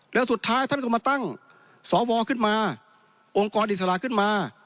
แล้วสุดท้ายท่านก็มาตั้งสวขึ้นมาองค์กรอิสระขึ้นมา